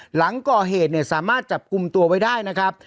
หลังก่อเหตุเนี่ยสามารถจับกลุ่มตัวไว้ได้นะครับ